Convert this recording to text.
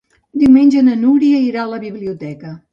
Diumenge na Núria irà a la biblioteca.